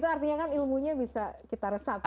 itu artinya kan ilmunya bisa kita resapi